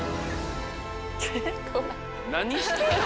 何してんの？